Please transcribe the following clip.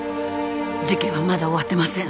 事件はまだ終わってません。